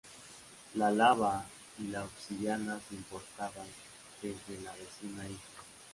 La lava y la obsidiana se importaban desde la vecina isla.